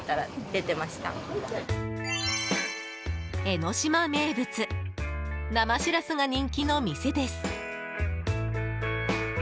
江の島名物生しらすが人気の店です。